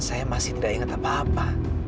saya masih tidak ingat apa apa